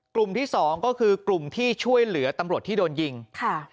กลุ่มที่สองก็คือกลุ่มที่ช่วยเหลือตำรวจที่โดนยิงค่ะ